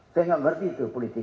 saya tidak mengerti itu politik